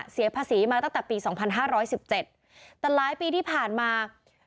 เสียภาษีมาตั้งแต่ปีสองพันห้าร้อยสิบเจ็ดแต่หลายปีที่ผ่านมา